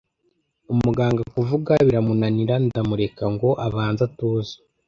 umuganga kuvuga biramunanira, ndamureka ngo abanze atuze